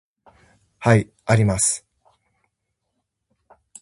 Hi, [unintelligible]